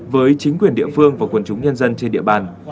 với chính quyền địa phương và quần chúng nhân dân trên địa bàn